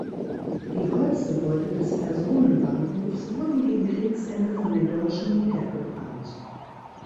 Die Holzgebäude des Personenbahnhofs wurden gegen Kriegsende von den Deutschen niedergebrannt.